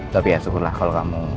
tapi ya syukurlah kalau kamu